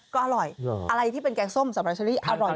ก็อร่อยอะไรที่เป็นแกงส้มสำหรับเชอรี่อร่อย